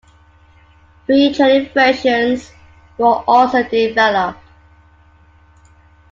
Three training versions were also developed.